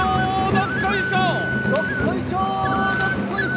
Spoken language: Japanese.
どっこいしょ！